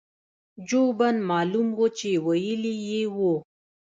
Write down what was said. جوبن معلوم وو چې وييلي يې وو-